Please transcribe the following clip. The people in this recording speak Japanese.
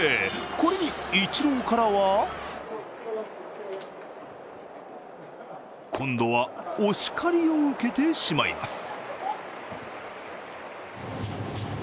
これにイチローからは今度はお叱りを受けてしまいます。